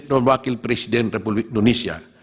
dan wakil presiden republik indonesia